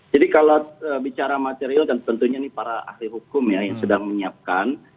jadi kalau bicara material tentunya ini para ahli hukum ya yang sedang menyiapkan